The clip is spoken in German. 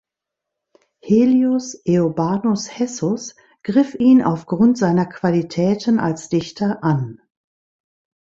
Helius Eobanus Hessus griff ihn aufgrund seiner Qualitäten als Dichter an.